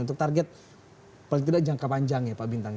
untuk target paling tidak jangka panjang ya pak bintang